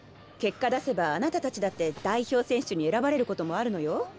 結果出せばあなたたちだって代表選手に選ばれる事もあるのよ。